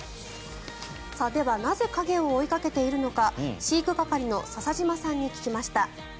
ではなぜ影を追いかけているのか飼育係の笹島さんに聞きました。